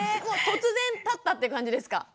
もう突然立ったって感じですか？